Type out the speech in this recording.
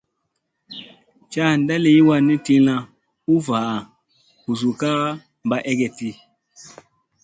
Caanda liy wanni tilla u vaa busu ka ba egeɗti.